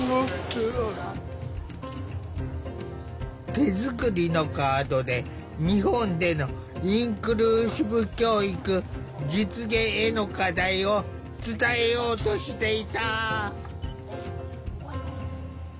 手作りのカードで日本でのインクルーシブ教育実現への課題を伝えようとしていた。